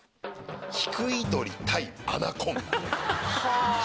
ヒクイドリ対アナコンダ。